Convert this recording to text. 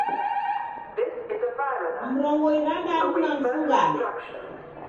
Mrongo irandadu na mfungade